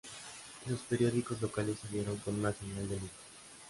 Los periódicos locales salieron con una señal de luto.